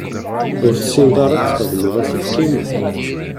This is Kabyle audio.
Ur tessineḍ ara ad tesxedmeḍ aselkim?